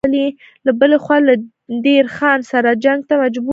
له بلې خوا له دیر خان سره جنګ ته مجبور و.